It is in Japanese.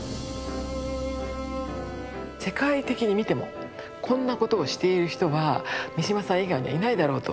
世界的に見てもこんなことをしている人は三島さん以外にはいないだろうと。